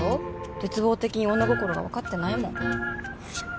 絶望的に女心が分かってないもんいや